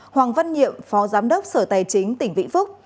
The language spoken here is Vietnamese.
hoàng văn nhiệm phó giám đốc sở tài chính tỉnh vĩnh phúc